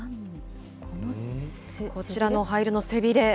こちらの灰色の背びれ。